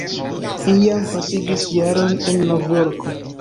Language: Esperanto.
Iam pasigis jaron en Novjorko.